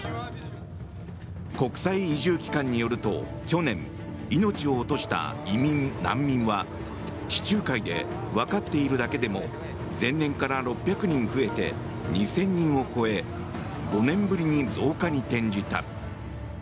国際移住機関によると去年、命を落とした移民・難民は地中海で、分かっているだけでも前年から６００人増えて２０００人を超え５年ぶりに増加に転じた。